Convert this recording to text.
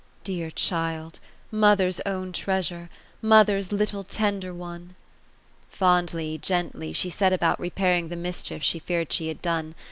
Dear child ! Mother's own treasure t Mother's little tender one !" Fondly, gently, she set about repairing the mischief she feared she had done.